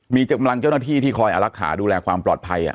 มีกำลังเจ้าหน้าที่ที่คอยอารักษาดูแลความปลอดภัย